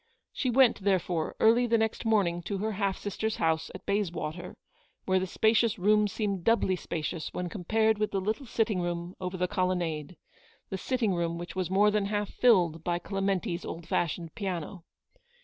She went, therefore, MRS. BANNISTER HOLDS OUT A HELPING HAND. 209 early the next morning to her half sister's house at Bayswater, where the spacious rooms seemed doubly spacious when compared with the little sitting room over the colonnade, the sitting room which was more than half filled by dementi's old fashioned piano.